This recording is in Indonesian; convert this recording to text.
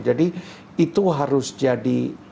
jadi itu harus jadi kontribusi